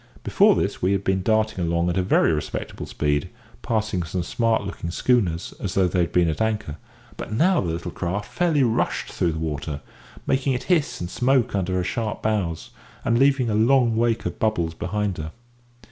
Before this we had been darting along at a very respectable speed, passing some smart looking schooners as though they had been at anchor; but now the little craft fairly rushed through the water, making it hiss and smoke under her sharp bows, and leaving a long wake of bubbles behind her.